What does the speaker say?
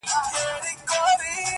خدای راکړې هره ورځ تازه هوا وه-